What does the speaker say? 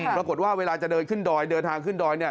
ปรากฏว่าเวลาจะเดินขึ้นดอยเดินทางขึ้นดอย